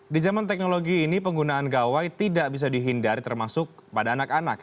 di zaman teknologi ini penggunaan gawai tidak bisa dihindari termasuk pada anak anak